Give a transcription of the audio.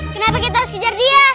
kenapa kita harus kejar dia